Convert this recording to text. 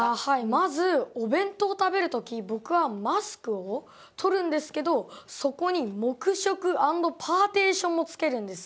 まずお弁当を食べる時僕はマスクを取るんですけどそこに黙食＆パーテーションも付けるんですよ。